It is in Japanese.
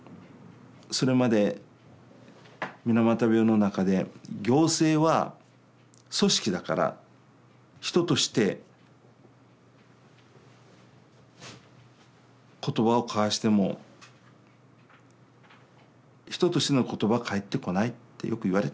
それまで水俣病の中で行政は組織だから人として言葉を交わしても人としての言葉は返ってこないってよく言われてました。